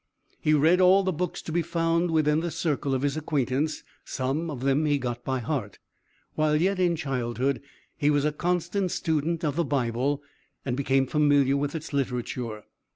He read all the books to be found within the circle of his acquaintance; some of them he got by heart. While yet in childhood he was a constant student of the Bible, and became familiar with its literature.